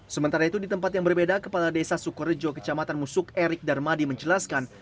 sementara itu di tempat yang berbeda kepala desa sukorejo kecamatan musuk erik darmadi menjelaskan